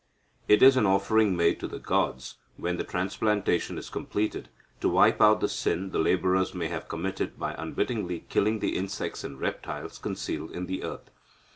It is an offering made to the gods, when the transplantation is completed; to wipe out the sin the labourers may have committed by unwittingly killing the insects and reptiles concealed in the earth.